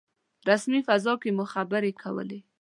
رسمي فضا کې مو خبرې کولې.